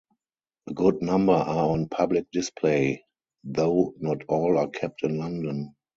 A good number are on public display though not all are kept in London.